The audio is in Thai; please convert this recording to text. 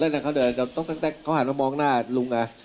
และนั่งเขาเดินต้นเข๊าดแก๊คอาจมาลองมองข้างหน้าลุงล่ะ